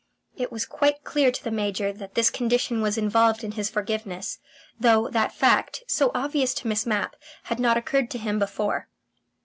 It was quite clear to the Major that this condition was involved in his forgiveness, though that fact, so obvious to Miss Mapp, had not occurred to him before.